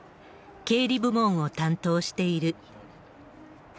経理部門を担当している。